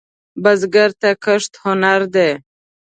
بزګر ته کښت هنر دی